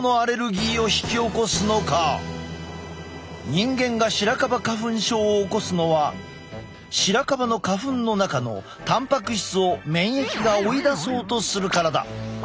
人間がシラカバ花粉症を起こすのはシラカバの花粉の中のたんぱく質を免疫が追い出そうとするからだ。